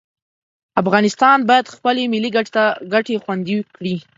افغانستان باید خپلې ملي ګټې خوندي کړي.